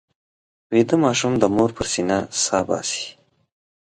ویده ماشوم د مور پر سینه سا باسي